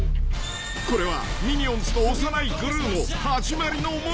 ［これはミニオンズと幼いグルーの始まりの物語］